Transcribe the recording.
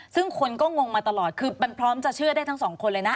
ซึ่งคนก็งงมาตลอดคือมันพร้อมจะเชื่อได้ทั้งสองคนเลยนะ